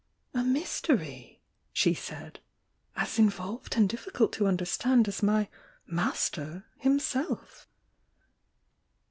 "A mystery!" she said— "as involved and diflScult to understand as my 'master' himself!"